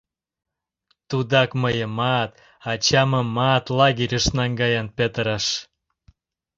— Тудак мыйымат, ачамымат лагерьыш наҥгаен петырыш.